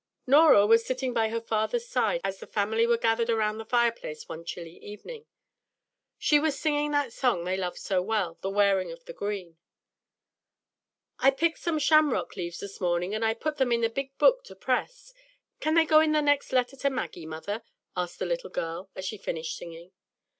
NORAH was sitting by her father's side as the family were gathered around the fireplace one chilly evening. She was singing that song they loved so well, "The Wearing of the Green." "I picked some shamrock leaves this morning, and I put them in the big book to press. Can they go in the next letter to Maggie, mother?" asked the little girl, as she finished singing.